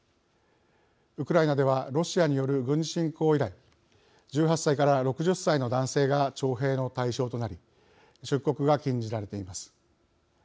ウクライナではロシアによる軍事侵攻以来１８歳から６０歳の男性が徴兵の対象となり出国が禁じられています。